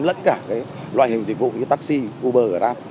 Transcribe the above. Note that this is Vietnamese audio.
lẫn cả loại hình dịch vụ như taxi uber grab